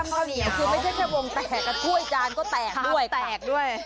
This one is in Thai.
ไม่ใช่แค่วงแตกกับถ้วยจานก็แตกด้วยค่ะ